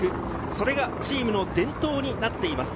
それがチームの伝統になっています。